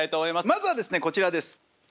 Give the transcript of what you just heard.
まずはですねこちらです。